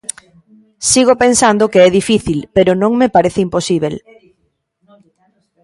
Sigo pensando que é difícil, pero non me parece imposíbel.